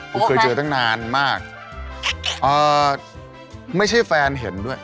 ผมเคยเจอตั้งนานมากเอ่อไม่ใช่แฟนเห็นด้วย